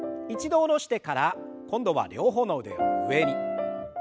一度下ろしてから今度は両方の腕を上に。